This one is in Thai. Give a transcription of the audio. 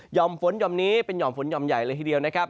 ่อมฝนห่อมนี้เป็นห่อมฝนหย่อมใหญ่เลยทีเดียวนะครับ